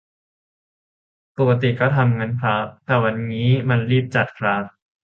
ปกติก็ทำงั้นคร้าบ แต่ครั้งนี้มันรีบจัดคร้าบ